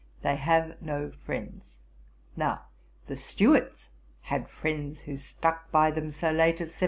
They have no friends. Now the Stuarts had friends who stuck by them so late as 1745.